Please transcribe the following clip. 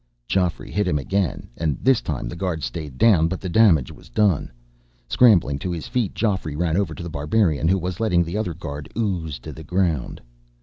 Geoffrey hit him again, and this time the guard stayed down, but the damage was done. Scrambling to his feet, Geoffrey ran over to The Barbarian, who was letting the other guard ooze to the ground.